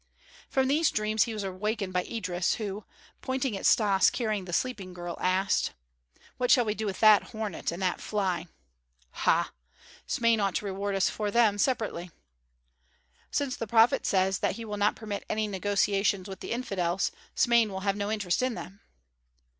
From these dreams he was awakened by Idris who, pointing at Stas carrying the sleeping girl, asked: "What shall we do with that hornet and that fly?" "Ha! Smain ought to reward us for them, separately." "Since the prophet says that he will not permit any negotiations with the infidels, Smain will have no interest in them."